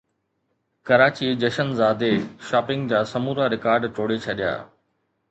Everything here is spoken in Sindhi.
ڪراچي جشنزادي شاپنگ جا سمورا رڪارڊ ٽوڙي ڇڏيا